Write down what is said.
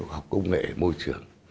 kinh tế học công nghệ môi trường